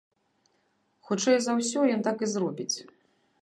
Хутчэй за ўсё, ён так і зробіць.